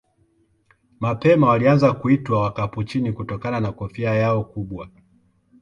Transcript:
Mapema walianza kuitwa Wakapuchini kutokana na kofia yao kubwa.